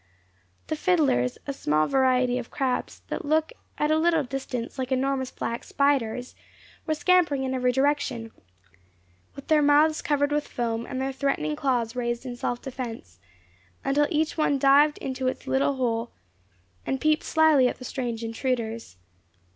The fiddlers (a small variety of crabs that look at a little distance like enormous black spiders) were scampering in every direction, with their mouths covered with foam, and their threatening claws raised in self defence, until each one dived into its little hole, and peeped slyly at the strange intruders.